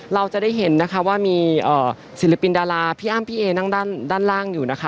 เราจะได้เห็นนะคะว่ามีศิลปินดาราพี่อ้ำพี่เอนั่งด้านล่างอยู่นะคะ